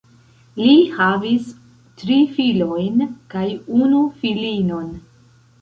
Li havis tri filojn kaj unu filinon.